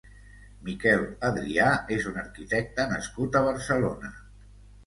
Miquel Adrià és un arquitecte nascut a Barcelona.